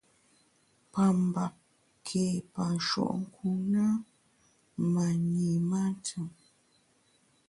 Pa mbap ké pa nshùenkun ne, ma nyi mantùm.